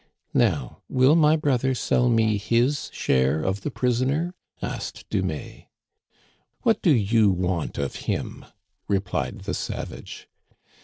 " Now will my brother sell me his share of the pris oner ?" asked Dumais. " What do you want of him ?" replied the savage.